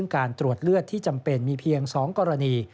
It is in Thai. การตรวจเลือดที่จำเป็นมีเพียง๒กรณี